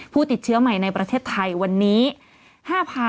ผู้ติดเชื้อใหม่ในประเทศไทยวันนี้